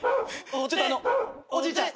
ちょっとあのおじいちゃん。